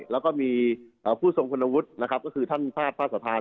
แล้วก็มีผู้ทรงคุณวุฒินะครับก็คือท่านภาพพระประธาน